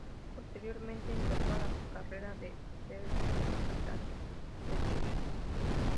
Posteriormente ingresó a la carrera de Derecho en la Universidad de Chile.